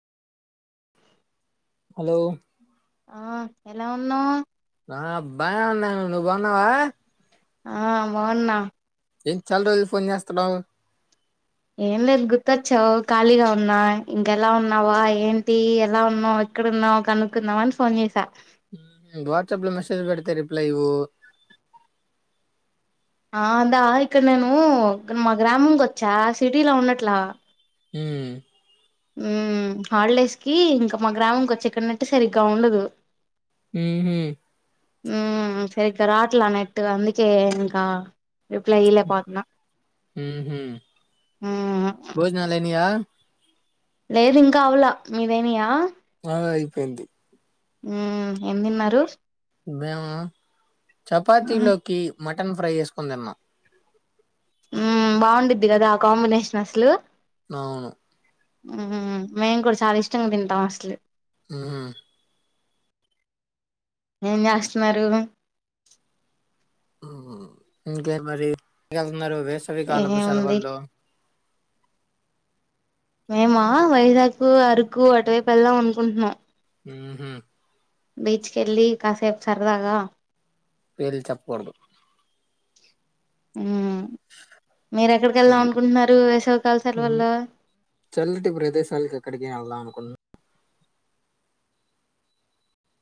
Hello ఆ ఎలా ఉన్నా ఆబ్ బా ఉన్నాను ను బన్నవా ఆ బగున్నా ఏం చాల రోజులు ఫోన్ చేస్తా ఏం లేదు గుర్తొచ్చావు ఖాళీగా ఉన్నా ఇంకెలా ఉన్నావా ఏంటి ఎలా ఉన్నావు ఇక్కడడున్నావు్ కనుక్కున్నావు అని సోన్సా వాట్సాప్ లో మెసేజ్ పడితే రిప్లై ఇవు ఆ అదా ఇక్కడ నేను మా గ్రామంక వచ్చా సిటీలో ఉండట్లా హ హాలిడేస్ కి ఇంకా మా గ్రామం ఇంకొచ్చ ఎక్కడనట్టే సరిగ్గా ఉండదు హ ఉ సరికా రాట్లా నటు అందికే ఏకా రిప్ల ఇలా పాతు ఉమ్హు. భోజనాలు అయినాయా లేదు ఇంకావలా మీదేమయా అ అయిపోయింది ఉ ఎమిన్నారు మేము చపాతీలోకి మటన్ ఫ్రై చేసుకని తిన్నాం బాగుంద్ది కదా ఆ కాంబినేషన్ అసలు అవును మేము కూడా చాలా ఇష్టంగా తింటాం అసలు ఆ ఏం చేస్తున్నారు ఇంకే మరి వెళ్తున్నారు వేసవిికాలభశాల ఏముంది వాళ్ళ మేమా వైజాగ్ అరుకు అటువై పెళ్దాం అనుకుంటున్నాం ఆహ బీచ్కిె వెళ్ళి కాసేపు సరదాగా వేళి చెప్పకూడదు ఆ మీర ఎక్కడికి వెళ్దాం ఉంది. అనుకుంటున్నారు వేసవికళశాల వల్ల చల్లిట్ ఇప్పుడు ఎదే సాల కక్కడికిళ్దా అనుకు